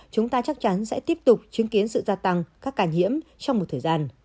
chúng ta chắc chắn sẽ tiếp tục chứng kiến sự gia tăng các ca nhiễm trong một thời gian